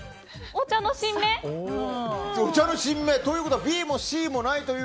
お茶の新芽ということはＢもＣもない。